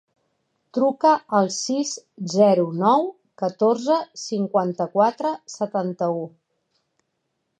Truca al sis, zero, nou, catorze, cinquanta-quatre, setanta-u.